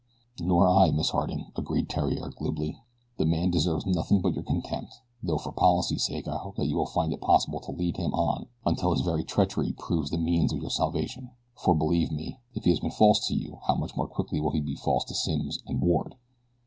"Nor I, Miss Harding," agreed Theriere glibly. "The man deserves nothing but your contempt, though for policy's sake I hope that you will find it possible to lead him on until his very treachery proves the means of your salvation, for believe me, if he has been false to you how much more quickly will he be false to Simms and Ward!